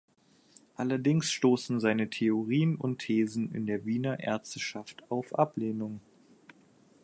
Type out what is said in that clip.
Allerdings stoßen seine Theorien und Thesen in der Wiener Ärzteschaft auf Ablehnung.